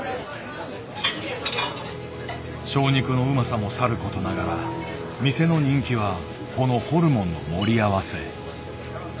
正肉のうまさもさることながら店の人気はこのホルモンの盛り合わせ。